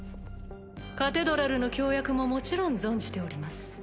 カテドラルの協約ももちろん存じております。